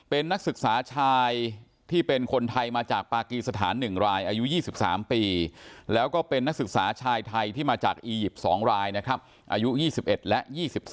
เป็นนักศึกษาชายที่เป็นคนไทยมาจากปากีสถาน๑รายอายุ๒๓ปีแล้วก็เป็นนักศึกษาชายไทยที่มาจากอียิปต์๒รายนะครับอายุ๒๑และ๒๓